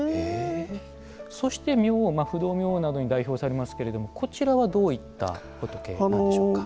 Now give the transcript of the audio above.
そして、明王不動明王などに代表されますけれどもこちらはどういった仏なんでしょうか。